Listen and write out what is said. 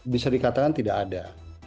bisa dikatakan tidak ada